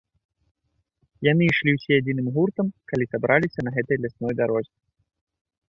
Яны ішлі ўсе адзіным гуртам, калі сабраліся на гэтай лясной дарозе.